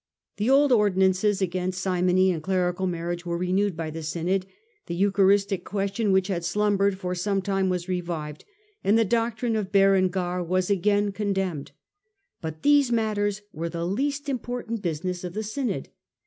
The old ordinances against simony and clerical mwriage were renewed by the synod ; the eucharistic question, which had slumbered for some time, was re vived, and the doctrine of Berengar was again con demned. But these matters were the least important business of the synod.